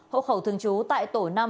hộ khẩu thường chú tại tổ năm